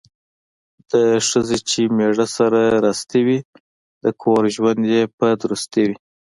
د ښځې چې میړه سره راستي وي ،د کور ژوند یې په درستي وي.